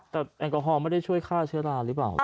แต่แอลกอฮอลไม่ได้ช่วยฆ่าเชื้อราหรือเปล่า